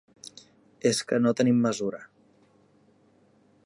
És que no tenim mesura.